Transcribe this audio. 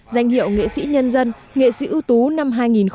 danh hiệu nghệ sĩ nhân dân nghệ sĩ ưu tú năm hai nghìn một mươi